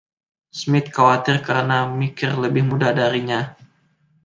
Smith khawatir karena Meeker lebih muda darinya.